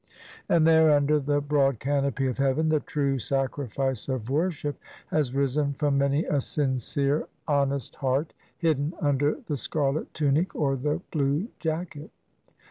And there, under the broad canopy of heaven, the true sacrifice of worship has risen from many a sincere, hon 218 SUNDAY IN THE BRITISH ARMY IN INDIA est heart, hidden under the scarlet tunic or the blue jacket.